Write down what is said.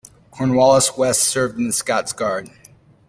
Cornwallis-West served in the Scots Guards.